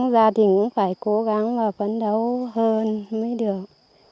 gia đình cũng phải cố gắng và phấn đấu hơn mới được